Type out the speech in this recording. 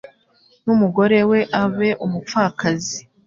n’umugore we abe umupfakazi